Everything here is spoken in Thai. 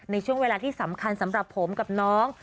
ในช่วงเวลาที่สำคัญสำหรับผมกับน้อง